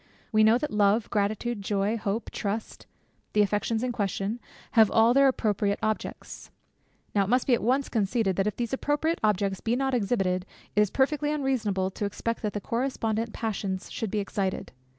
We know that love, gratitude, joy, hope, trust, (the affections in question) have all their appropriate objects. Now it must be at once conceded, that if these appropriate objects be not exhibited, it is perfectly unreasonable to expect that the correspondent passions should be excited.